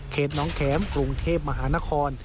น้องแข็มกรุงเทพมหานคร